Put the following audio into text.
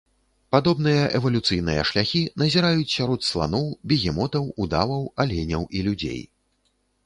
Падобныя эвалюцыйныя шляхі назіраюць сярод сланоў, бегемотаў, удаваў, аленяў і людзей.